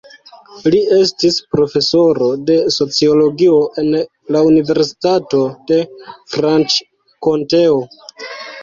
Li estis profesoro de sociologio en la Universitato de Franĉkonteo.